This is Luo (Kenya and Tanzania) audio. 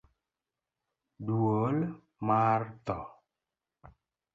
duol mar tho